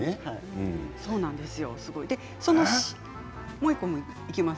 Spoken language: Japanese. もう１ついきます。